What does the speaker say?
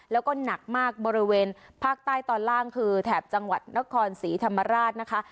แล้วก็หนักมากบริเวณภาคใต้ตอนล่างคือแถบจังหวัดนครศรีธรรมราชนะคะ